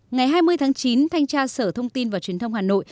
ngày hai mươi tháng chín thanh tra sở thông tin và truyền thông hà nội